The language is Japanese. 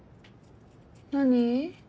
何？